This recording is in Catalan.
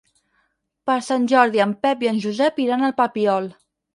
Per Sant Jordi en Pep i en Josep iran al Papiol.